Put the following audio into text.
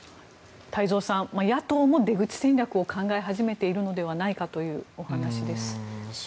太蔵さん、野党も出口戦略を考え始めているのではないかというお話です。